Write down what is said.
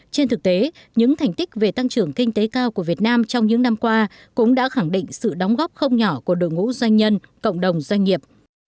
trên thực tế những thành tích về tăng trưởng kinh tế cao của việt nam trong những năm qua cũng đã khẳng định sự đóng góp không nhỏ của đội ngũ doanh nhân cộng đồng doanh nghiệp